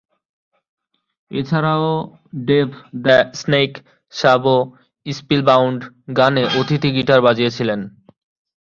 এছাড়াও, Dave "the Snake" Sabo "Spellbound" গানে অতিথি গিটার বাজিয়েছিলেন।